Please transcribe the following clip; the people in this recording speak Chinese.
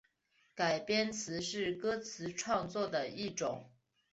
改编词是歌词创作的一种。